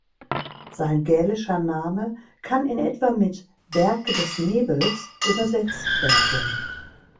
Sein gälischer Name kann in etwa mit "Berg des Nebels" übersetzt werden.